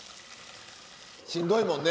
しんどいもんね。